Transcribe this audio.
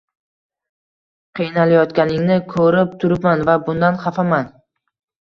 “Qiynalayotganingni ko‘rib turibman va bundan xafaman.